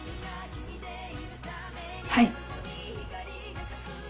はい。